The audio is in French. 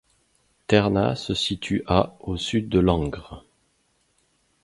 Ternat se situe à au sud de Langres.